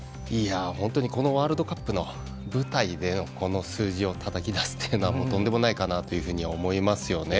本当にこのワールドカップの舞台でこの数字をたたき出すというのはとんでもないかなと思いますよね。